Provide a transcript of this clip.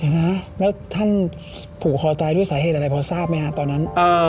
แล้วท่านผูกคอตายด้วยสาเหตุอะไรพอทราบไหมฮะตอนนั้น